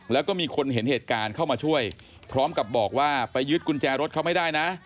แล้วก็มีคนเห็นเหตุการณ์เข้ามาช่วยพร้อมกับบอกว่าไปยึดกุญแจรถเขาไม่ได้นะ